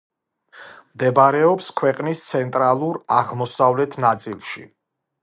მდებარეობს ქვეყნის ცენტრალურ-აღმოსავლეთ ნაწილში.